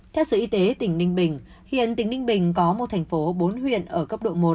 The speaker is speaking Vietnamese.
theo sở y tế tỉnh ninh bình hiện tỉnh ninh bình có một thành phố bốn huyện ở cấp độ một